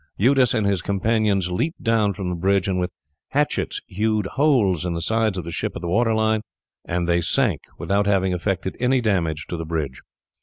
Eudes and his companions leaped down from the bridge and with hatchets hewed holes in the sides of the ships at the water line, and they sank without having effected any damage to the bridge.